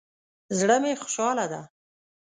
زړه می خوشحاله ده